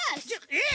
えっ！？